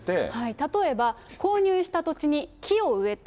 例えば、購入した土地に木を植えて、